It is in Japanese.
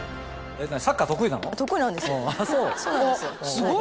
すごい！